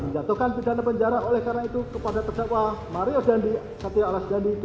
jatuhkan pidana penjara oleh karena itu kepada terdakwa mario dandi satya alas